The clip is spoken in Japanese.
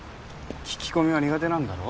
聞き込みは苦手なんだろ。